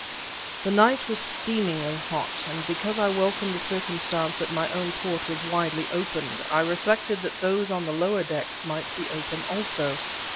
The night was steamingly hot, and because I welcomed the circumstance that my own port was widely opened, I reflected that those on the lower decks might be open also.